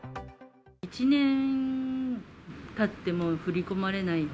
１年たっても振り込まれない。